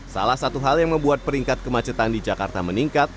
salah satu hal yang membuat peringkat kemacetan di jakarta meningkat